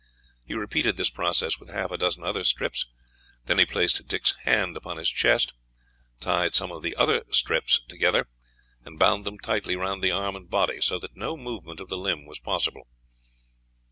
He repeated this process with half a dozen other strips; then he placed Dick's hand upon his chest, tied some of the other strips together, and bound them tightly round the arm and body, so that no movement of the limb was possible.